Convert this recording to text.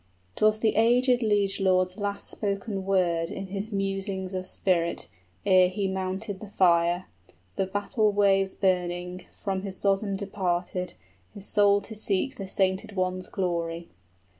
'Twas the aged liegelord's last spoken word in 65 His musings of spirit, ere he mounted the fire, The battle waves burning: from his bosom departed His soul to seek the sainted ones' glory.